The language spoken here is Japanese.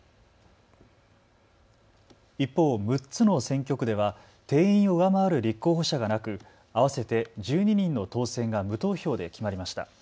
一方、６つの選挙区では定員を上回る立候補者がなく合わせて１２人の当選が無投票で決まりました。